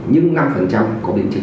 nhưng năm có biến trình